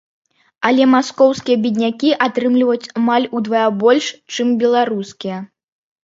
Але маскоўскія беднякі атрымліваюць амаль удвая больш, чым беларускія.